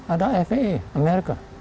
ada faa amerika